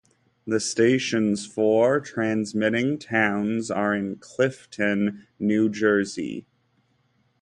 The station's four transmitting towers are in Clifton, New Jersey.